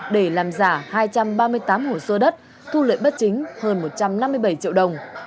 để làm giả hai trăm ba mươi tám hồ sơ đất thu lợi bất chính hơn một trăm năm mươi bảy triệu đồng